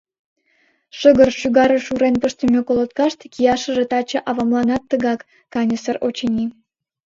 Шыгыр, шӱгарыш урен пыштыме колоткаште кияшыже таче авамланат тыгак каньысыр, очыни.